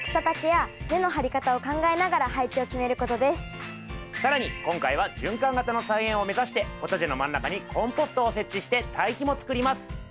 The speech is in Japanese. ポイントは更に今回は循環型の菜園を目指してポタジェの真ん中にコンポストを設置して堆肥もつくります。